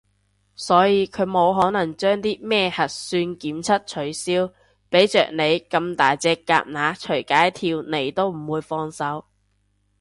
所以佢冇可能將啲咩核算檢測取消，畀着你咁大隻蛤乸隨街跳你都唔會放手